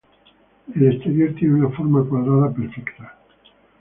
El exterior tiene una forma cuadrada perfecta.